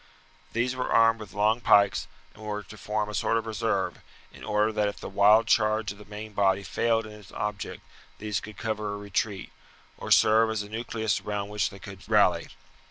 These were armed with long pikes, and were to form a sort of reserve, in order that if the wild charge of the main body failed in its object these could cover a retreat, or serve as a nucleus around which they could rally.